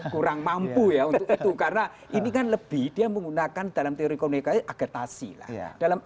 kurang mampu ya untuk itu karena ini kan lebih dia menggunakan dalam teori komunikasi agetasi lah dalam